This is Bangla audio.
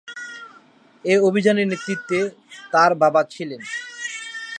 এ অভিযানের নেতৃত্বে তার বাবা ছিলেন।